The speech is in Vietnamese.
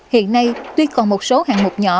hiện nay tuy còn một số hạng mục nhỏ